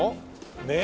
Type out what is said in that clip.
ねえ？